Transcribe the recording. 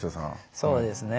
そうですね。